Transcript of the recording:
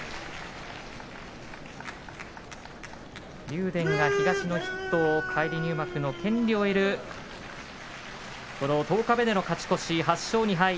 竜電が東の筆頭返り入幕の権利を得る十日目での勝ち越し、８勝２敗。